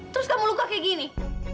terus kamu luka kayak gini